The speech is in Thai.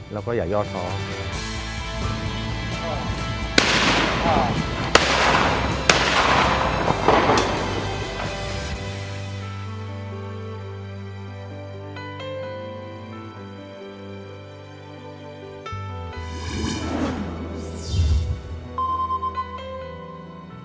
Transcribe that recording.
แล้วก็อย่ายอดทอง